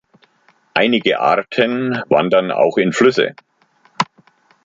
Einige Arten wandern auch in Flüsse.